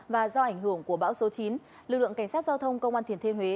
và do ảnh hưởng của bão số chín lực lượng cảnh sát giao thông công an thiền thên huế